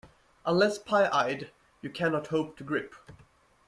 Unless pie-eyed, you cannot hope to grip.